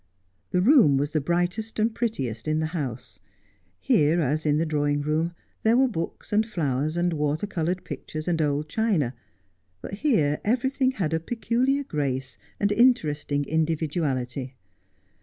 The room was the brightest and prettiest in the house. Here, as in the drawing room, there were books, and flowers, and water coloured pictures, and old china ; but here everything had a peculiar grace and interesting individuality.